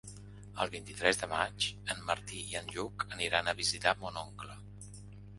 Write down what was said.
El vint-i-tres de maig en Martí i en Lluc aniran a visitar mon oncle.